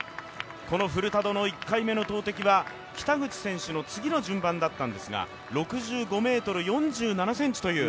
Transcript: このフルタドの１回目の投てきは北口選手の次の順番だったんですが６５ｍ４７ｃｍという。